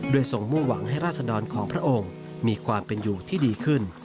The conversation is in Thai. ทรงมุ่งหวังให้ราศดรของพระองค์มีความเป็นอยู่ที่ดีขึ้น